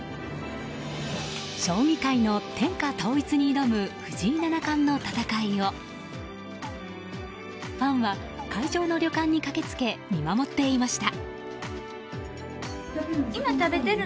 将棋界の天下統一に挑む藤井七冠の戦いをファンは会場の旅館に駆けつけ見守っていました。